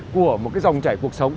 của một dòng trải cuộc sống